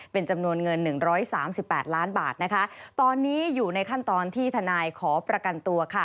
เป็นจำนวนเงิน๑๓๘ล้านบาทนะคะตอนนี้อยู่ในขั้นตอนที่ทนายขอประกันตัวค่ะ